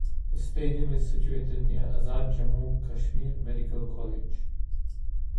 The stadium is situated near to Azad Jammu Kashmir Medical College.